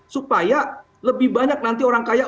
supaya lebih banyak nanti orang kaya